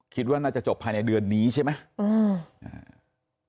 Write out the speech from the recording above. คิดว่าน่าจะจบภายในเดือนนี้ใช่ไหม